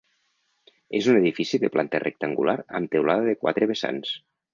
És un edifici de planta rectangular amb teulada de quatre vessants.